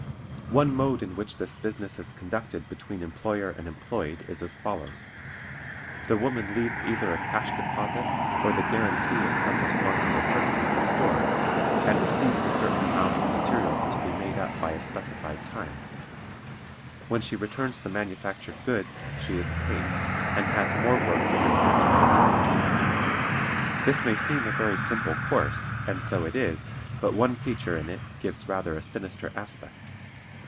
One mode in which this business is conducted between employer and employed is as follows: The woman leaves either a cash deposit or the guarantee of some responsible person at the store, and receives a certain amount of materials to be made up by a specified time: when she returns the manufactured goods she is paid, and has more work given her to make up. This may seem a very simple course, and so it is, but one feature in it gives rather a sinister aspect.